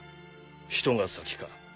人が先か？